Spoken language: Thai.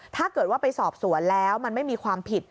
ถ้าเกิดว่าไปสอบสวนแล้วมันไม่มีความผิด